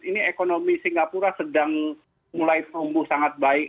ini ekonomi singapura sedang mulai tumbuh sangat baik